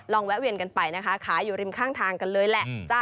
แวะเวียนกันไปนะคะขายอยู่ริมข้างทางกันเลยแหละ